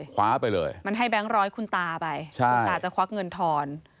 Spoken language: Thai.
คว้าไปเลยมันให้แบงค์ร้อยคุณตาไปคุณตาจะควักเงินทอน